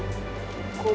gue gak pikiran